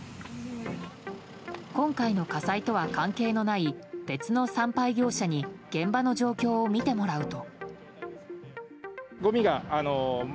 今回の火災とは関係のない別の産廃業者に現場の状況を見てもらうと。